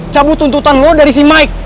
cabut tuntutan lo dari si mike